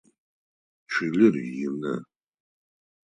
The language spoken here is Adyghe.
Чылэр ины.